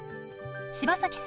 柴崎さん